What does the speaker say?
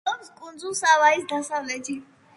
მდებარეობს კუნძულ სავაის დასავლეთში.